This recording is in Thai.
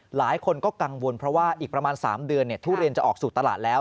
หลายคนก็กังวลเพราะว่าอีกประมาณ๓เดือนทุเรียนจะออกสู่ตลาดแล้ว